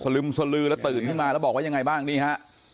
ลึมสลือแล้วตื่นขึ้นมาแล้วบอกว่ายังไงบ้างนี่ฮะ